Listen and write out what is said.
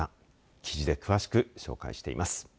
記事で詳しく紹介しています。